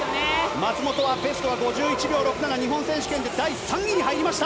松元はベストは５１秒６７日本選手権で第３位に入りました。